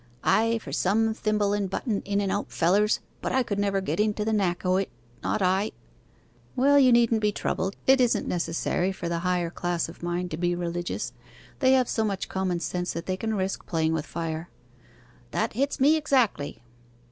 'Ay, for some thimble and button in an out fellers; but I could never get into the knack o' it; not I.' 'Well, you needn't be troubled; it isn't necessary for the higher class of mind to be religious they have so much common sense that they can risk playing with fire.' 'That hits me exactly.